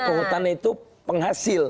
karena kehutanan itu penghasil